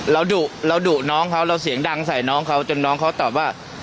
เราดุเราดุน้องเขาเราเสียงดังใส่น้องเขาจนน้องเขาตอบว่า